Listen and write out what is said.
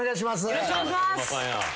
よろしくお願いします。